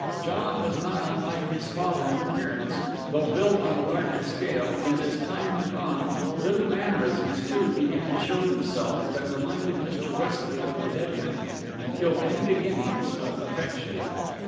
John was not unlike his father in appearance, though built on a larger scale, and, as time went on, little mannerisms, too, began to show themselves, that reminded Mr. Westley of the dead man, and killed any beginnings of affection.